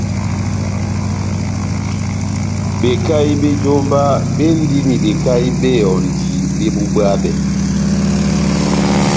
Bekahi bé jómba béndini bekahi bé ehɔndi bébubwabɛ.